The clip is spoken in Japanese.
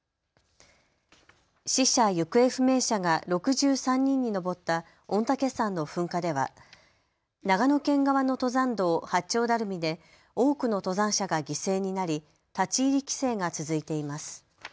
死者・行方不明者が６３人に上った御嶽山の噴火では長野県側の登山道、八丁ダルミで多くの登山者が犠牲になり立ち入り規制が続いています。